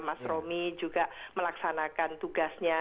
mas romi juga melaksanakan tugasnya